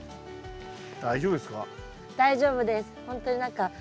大丈夫ですか？